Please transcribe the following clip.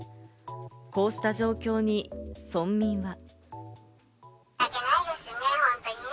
こうした状況に村民は。